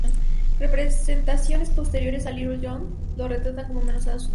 Representaciones posteriores de Little John lo retratan como menos astucia.